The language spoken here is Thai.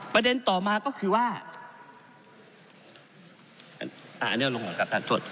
ประเด็นต่อมาก็คือว่า